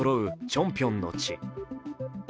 チョンピョンの地。